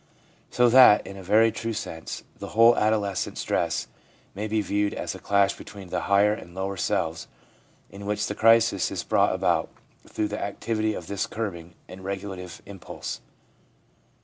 So that, in a very true sense, the whole adolescent stress may be viewed as a clash between the higher and lower selves in which the crisis is brought about through the activity of this curbing and regulative impulse.